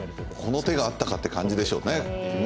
この手があったかという感じでしょうね。